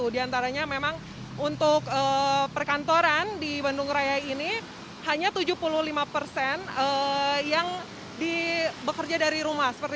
di antaranya memang untuk perkantoran di bandung raya ini hanya tujuh puluh lima persen yang bekerja dari rumah